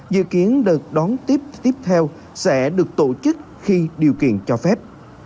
dự kiến đợt đón tiếp tiếp theo sẽ được tổ chức khi điều kiện cho phép